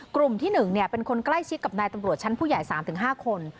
กลุ่มที่๑เป็นคนใกล้ชิดกับนายตำรวจชั้นผู้ใหญ่๓๕คน